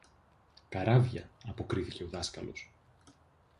Καράβια, αποκρίθηκε ο δάσκαλος.